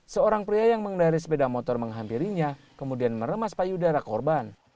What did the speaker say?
seorang pria yang mengendari sepeda motor menghampirinya kemudian meremas payudara korban